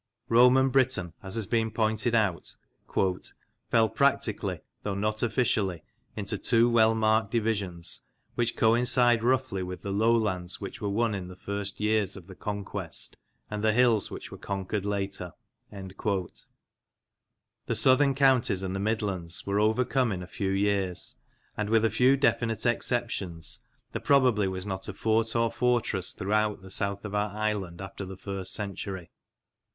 Roman Britain, as has been pointed out, " fell practically, though not officially, into two well marked divisions, which coincide roughly with the low lands which were won in the first years of the conquest and the hills which were conquered later." The southern 32 MEMORIALS OF OLD LANCASHIRE counties and the midlands were overcome in a few years, and, with a few definite exceptions, there probably was not a fort or fortress throughout the south of our island after the first century.